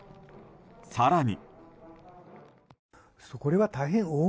更に。